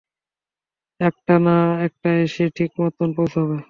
একটা না একটা এসে ঠিকমতন পৌঁছবে।